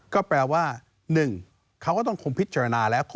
ก็แปลว่า๑เขาก็ต้องคงพิจารณาแล้ว